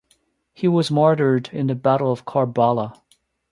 He was martyred in the Battle of Karbala.